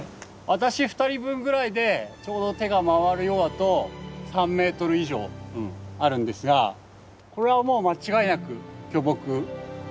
私２人分ぐらいでちょうど手が回るようだと３ｍ以上あるんですがこれはもう間違いなく巨木。